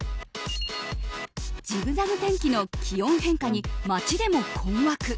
ジグザグ天気の気温変化に街でも困惑。